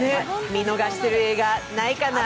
見逃してる映画、ないかな？